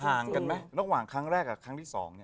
กันไหมระหว่างครั้งแรกกับครั้งที่๒